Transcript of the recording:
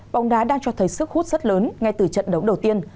bóng đá đang cho thấy sức hút rất lớn ngay từ trận đấu đầu tiên